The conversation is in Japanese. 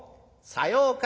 「さようか？